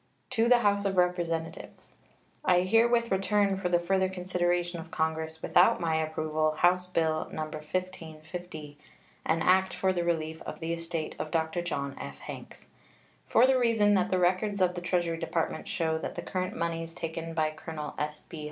To the House of Representatives: I herewith return, for the further consideration of Congress, without my approval, House bill No. 1550, "An act for the relief of the estate of Dr. John F. Hanks," for the reason that the records of the Treasury Department show that the current moneys taken by Colonel S.B.